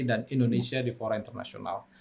dan indonesia di pola internasional